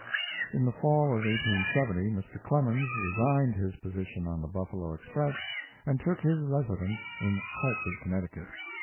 In the fall of 1870, Mr. Clemens re signed his position on the Buffalo Express and took up his residence in Hartford, Connecticut.